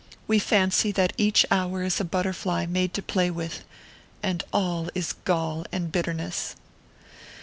We fancy that each hour is a butterfly made to play with, and all is gall and bit terness.